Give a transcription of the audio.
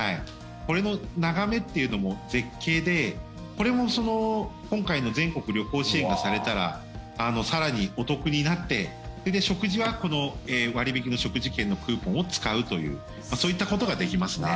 これの眺めっていうのも絶景でこれも今回の全国旅行支援がされたら更にお得になって、食事は割引の食事券のクーポンを使うというそういったことができますね。